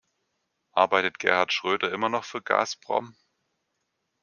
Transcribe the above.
Arbeitet Gerhard Schröder immer noch für Gazprom?